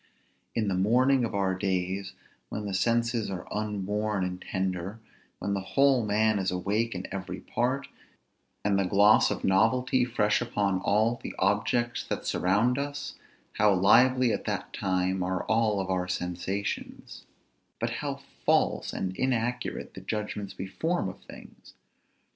In the morning of our days, when the senses are unworn and tender, when the whole man is awake in every part, and the gloss of novelty fresh upon all the objects that surround us, how lively at that time are our sensations, but how false and inaccurate the judgments we form of things!